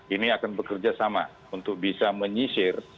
ini akan bekerja sama untuk bisa menyisir